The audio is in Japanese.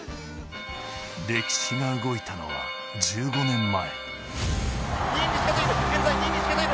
歴史が動いたのは１５年前。